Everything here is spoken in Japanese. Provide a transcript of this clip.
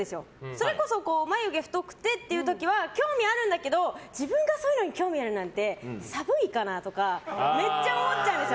それこそ眉毛太くてっていう時は興味はあるんだけど自分がそういうのに興味あるなんて、寒いかなってめっちゃ思っちゃうんです。